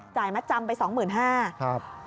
จ่ายมาจำไป๒๕๐๐๐บาท